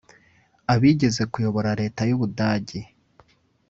abigeze kuyobora leta y’Ubudagi